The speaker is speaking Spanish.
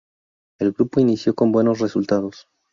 El grupo inició con buenos resultados.